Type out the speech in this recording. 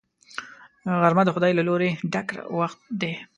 غرمه د خدای له لورینې ډک وخت دی